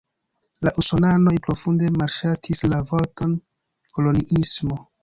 La usonanoj profunde malŝatis la vorton "koloniismo".